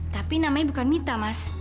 tapi namanya bukan mita mas